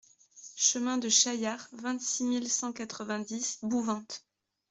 Chemin de Chaillard, vingt-six mille cent quatre-vingt-dix Bouvante